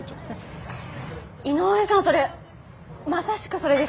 井上さん、それまさしくそれです。